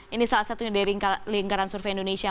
ini salah satunya dari lingkaran survei indonesia